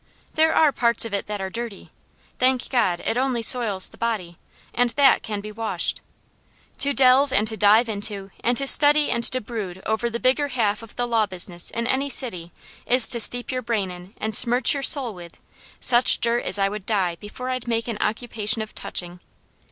There are parts of it that are dirty. Thank God, it only soils the body, and that can be washed. To delve and to dive into, and to study and to brood over the bigger half of the law business of any city is to steep your brain in, and smirch your soul with, such dirt as I would die before I'd make an occupation of touching.